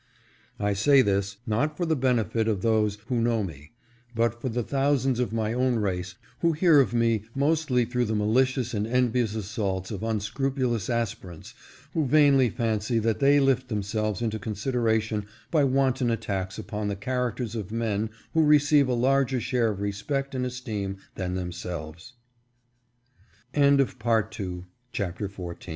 I say this, not for the benefit of those who know me, but for the thousands of my own race who hear of me mostly through the mali cious and envious assaults of unscrupulous aspirants who vainly fancy that they lift themselves into consideration by wanton attacks upon the characters of men who receive a larger share of respect and esteem than them selves.